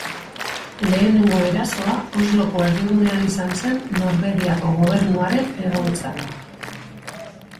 Lehenengo erasoa, Osloko erdigunean izan zen Norvegiako gobernuaren egoitzan.